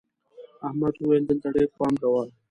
احمد وويل: دلته ډېر پام کوه.